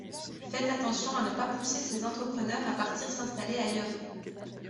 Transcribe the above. Faites attention à ne pas pousser ces entrepreneurs à partir s’installer ailleurs.